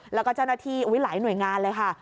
แล้วก็เจ้าหน้าที่หลายหน่วยงานเลยค่ะ